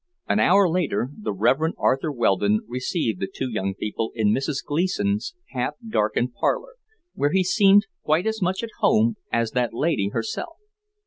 An hour later the Reverend Arthur Weldon received the two young people in Mrs. Gleason's half darkened parlour, where he seemed quite as much at home as that lady herself.